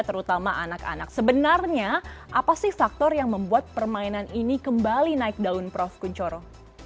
terutama anak anak sebenarnya apa sih faktor yang membuat permainan ini kembali naik daun prof kunchoro